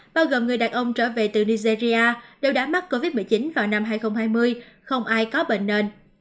bao gồm người đàn ông trở về từ nigeria đều đã mắc covid một mươi chín vào năm hai nghìn hai mươi không ai có bệnh nền